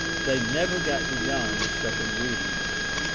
They never got beyond the second reading.